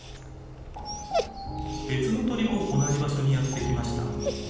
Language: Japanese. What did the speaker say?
別の鳥も同じ場所にやって来ました。